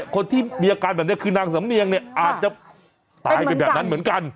คนที่มีอาการแบบนี้คือนางสำเนียงเนี่ยอาจจะตายไปแบบนั้นเหมือนกัน